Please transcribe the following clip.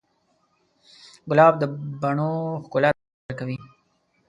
ګلاب د بڼو ښکلا ته وده ورکوي.